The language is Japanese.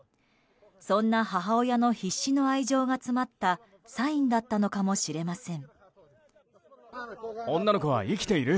そんな母親の必死の愛情が詰まったサインだったのかもしれません。